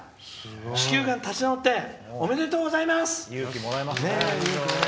子宮がん、立ち直っておめでとうございます。